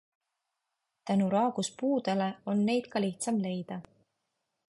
Tänu raagus puudele on neid ka lihtsam leida.